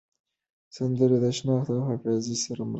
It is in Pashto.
سندرې د شناخت او حافظې سره مرسته کوي.